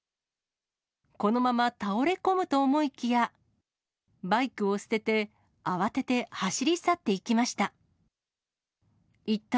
このまま倒れ込むと思いきや、バイクを捨てて、慌てて走り去っていきました。